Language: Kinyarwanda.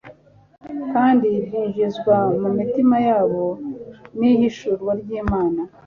kandi byinjizwa mu mitima yabo n'ihishurwa ry'Imana.